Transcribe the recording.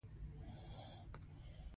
پیشنهاد د لاسلیک وروسته لیږل کیږي.